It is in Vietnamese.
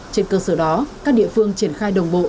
trên cơ sở đó các địa phương triển khai đồng bộ